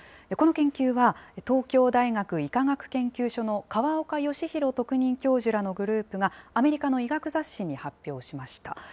この研究は、東京大学医科学研究所の河岡義裕特任教授らのグループが、アメリカの医学雑誌に発表しました。